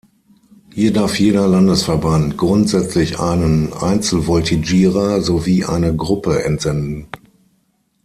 Hier darf jeder Landesverband grundsätzlich einen Einzelvoltigierer sowie eine Gruppe entsenden.